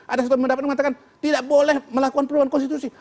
ada satu pendapat yang mengatakan tidak boleh melakukan perubahan konstitusi